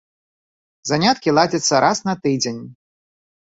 Заняткі ладзяцца раз на тыдзень.